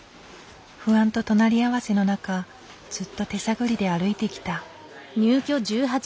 不安と隣り合わせの中ずっと手探りで歩いてきた。